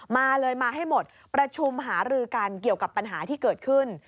มาเลยมาให้หมดประชุมหารือกันเกี่ยวกับปัญหาที่เกิดขึ้น